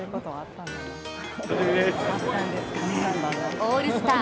オールスター